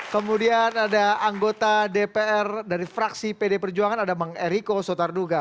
kemudian ada anggota dpr dari fraksi pd perjuangan ada bang eriko sotarduga